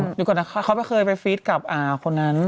เดี๋ยวก่อนนะเขาไม่เคยไปฟีดกับคนนั้น